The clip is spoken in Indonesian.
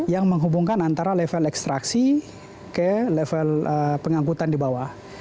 yang menghubungkan antara level ekstraksi ke level pengangkutan di bawah